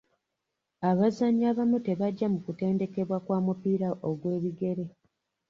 Abazannyi abamu tebajja mu kutendekebwa kwa mupiira ogw'ebigere.